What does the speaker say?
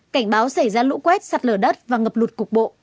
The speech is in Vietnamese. cảnh báo xảy ra lũ quét sạt lở đất và ngập lụt cục bộ